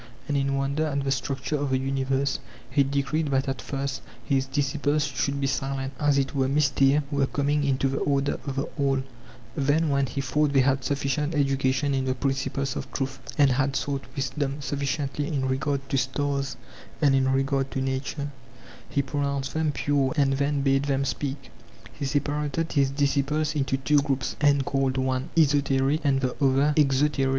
And in wonder at the structure of the universe, he decreed that at first his disciples should be silent, as it were mystae who were coming into the order of the all ; then when he thought they had sufficient education 152 THE FIRST PHILOSOPHERS OF GREECE in the principles of truth, and had sought wisdom sufficiently in regard to stars and 'in regard to nature, he pronounced them pure and then bade them speak. He separated his disciples into two groups, and called one esoteric, and the other exoteric.